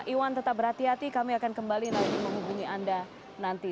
iwan tetap berhati hati kami akan kembali nanti menghubungi anda nanti